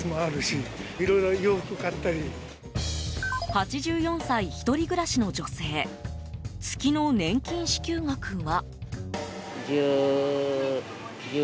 ８４歳、１人暮らしの女性月の年金支給額は？